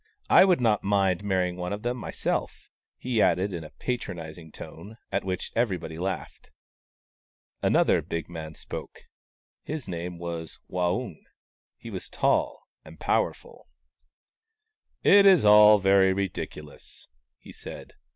I would not mind marrying one of them myself !" he added, in a patronizing tone, at which everybody laughed. Another big man spoke. His name was Waung, and he was tall and powerful. " It is all very ridiculous," he said.